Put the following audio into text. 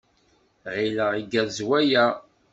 Ɣileɣ igerrez waya.